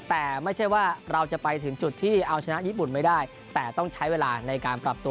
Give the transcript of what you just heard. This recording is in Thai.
แต่ไม่ใช่ว่าเราจะไปถึงจุดที่เอาชนะญี่ปุ่นไม่ได้แต่ต้องใช้เวลาในการปรับตัว